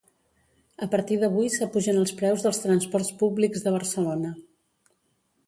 A partir d’avui s’apugen els preus dels transports públics de Barcelona.